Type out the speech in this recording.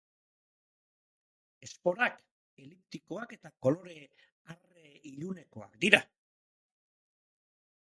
Esporak eliptikoak eta kolore arre-ilunekoak dira.